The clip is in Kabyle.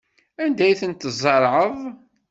Anda ay tent-tzerɛeḍ?